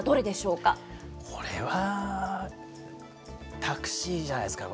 これはタクシーじゃないですか。